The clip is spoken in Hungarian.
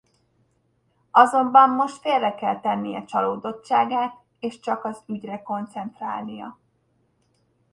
Azonban most félre kell tennie csalódottságát és csak az ügyre koncentrálnia.